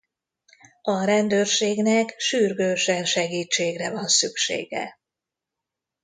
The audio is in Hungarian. A rendőrségnek sürgősen segítségre van szüksége.